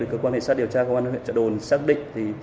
cơ quan hệ sát điều tra công an huyện trợ đồn xác định